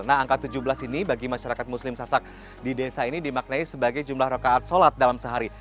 nah angka tujuh belas ini bagi masyarakat muslim sasak di desa ini dimaknai sebagai jumlah rokaat sholat dalam sehari